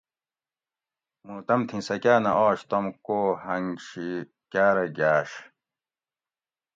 مُوں تمتھیں سکاٞ نہ آش توم کوھنگ شی کاٞرہ گاٞش